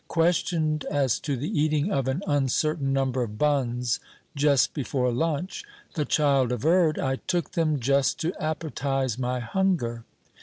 Questioned as to the eating of an uncertain number of buns just before lunch, the child averred, "I took them just to appetize my hunger."